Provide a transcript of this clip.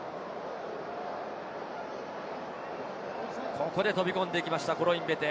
ここで飛び込んできましたコロインベテ。